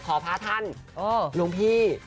ขอพาท่านลุงพี่